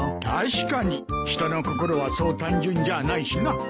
確かに人の心はそう単純じゃないしな。